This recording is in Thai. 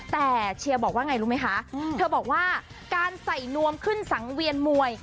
แต่เชียร์บอกว่าไงรู้ไหมคะเธอบอกว่าการใส่นวมขึ้นสังเวียนมวย